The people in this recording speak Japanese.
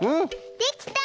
できた！